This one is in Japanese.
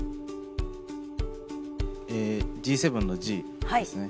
えＧ７のＧですね